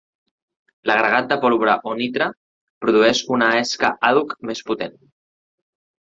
L'agregat de pólvora o nitre produeix una esca àdhuc més potent.